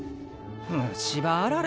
虫歯あられ？